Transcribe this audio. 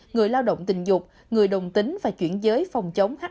người lao động tình dục người đồng tính và chuyển giới phòng chống hiv aids